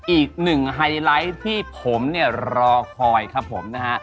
อีกหนึ่งไฮไลท์ที่ผมเนี่ยรอคอยครับผมนะฮะ